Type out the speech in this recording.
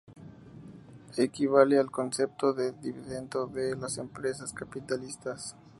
Equivale al concepto de dividendo de las empresas capitalistas.